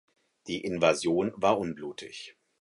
Die Invasion war unblutig.